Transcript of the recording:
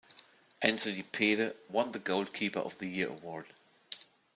Enzo Di Pede won the 'Goalkeeper of the Year' award.